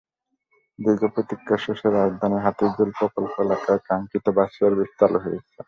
দীর্ঘ প্রতীক্ষার শেষে রাজধানীর হাতিরঝিল প্রকল্প এলাকায় কাঙ্ক্ষিত বাস সার্ভিস চালু হয়েছে।